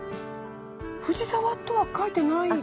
「藤沢」とは書いてないですね。